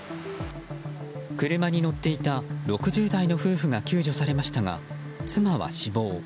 車に乗っていた６０代の夫婦が救助されましたが妻は死亡。